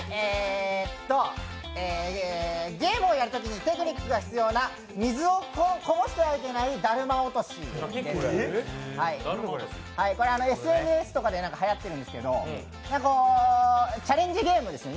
ゲームをやるときにテクニックが必要な水をこぼしてはいけないだるま落とし、これはＳＮＳとかではやっているんですけど、チャレンジゲームですね。